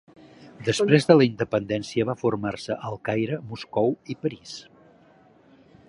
Després de la independència va formar-se a El Caire, Moscou i París.